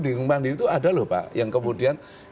di kempang mandiri itu ada lho pak yang kemudian